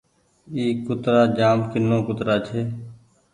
اي ڪترآ جآم ڪينو ڪترآ ڇي۔